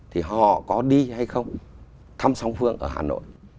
thì họ có đi hay không thăm song phương ở hà nội